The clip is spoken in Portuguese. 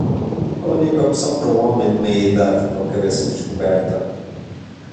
A única opção para um homem de meia-idade com a cabeça descoberta.